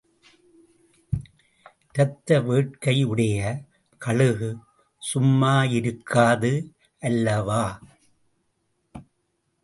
இரத்த வேட்கையுடைய கழுகு சும்மா இருக்காது அல்லவா?